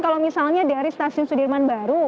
kalau misalnya dari stasiun sudirman baru